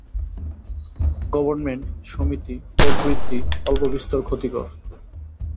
Government, সমিতি প্রভৃতি অল্পবিস্তর ক্ষতিকর।